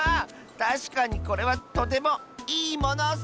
たしかにこれはとても「いいもの」ッス！